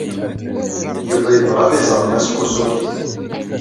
Yuba yebɣa ad iẓer Mass Kosugi.